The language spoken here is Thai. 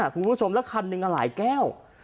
คุณผู้ชมแล้วคันหนึ่งหลายแก้ว